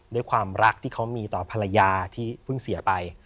ด้วยความรักที่เขามีต่อภรรยาที่เพิ่งเสียไป